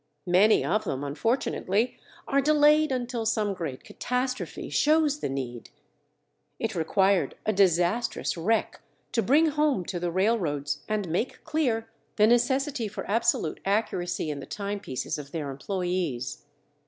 Many of them, unfortunately, are delayed until some great catastrophe shows the need. It required a disastrous wreck to bring home to the railroads and make clear the necessity for absolute accuracy in the timepieces of their employees.